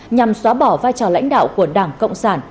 nhằm xóa bỏ vai trò lãnh đạo của đảng cộng sản